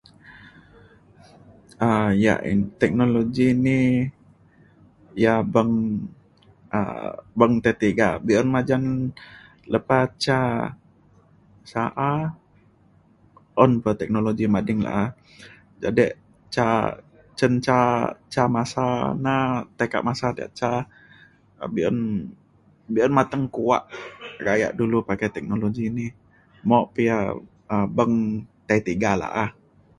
um yak i- teknologi ni ia’ beng um beng tai tiga be’un majan lepa ca sa’a un pa teknologi mading la’a. jadek ca cin ca ca masa na tei kak masa diak ca um be’un be’un mateng kuak gayak dulu pakai teknologi ni mok pa ia’ um beng tai tiga la’a.